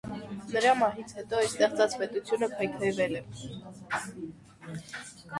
Նրա մահից հետո իր ստեղծած պետությունը քայքայվել է։